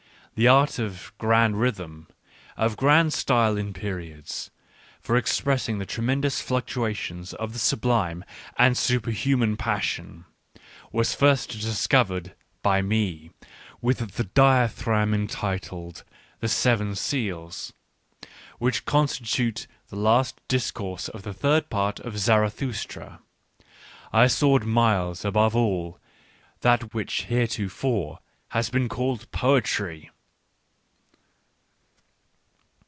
The art of grand rhythm, of grand ' Digitized by Google 64 ECCE HOMO style in periods, for expressing the tremendous fluctuations of sublime and superhuman passion, was first discovered by me: with the dithyramb entitled £ The Seven Seals," which constitutes the 1 last discourse of the third part of Zarathustra^ I soared miles above all that which heretofore has been called poetry.